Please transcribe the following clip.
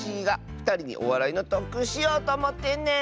ふたりにおわらいのとっくんしようとおもってんねん！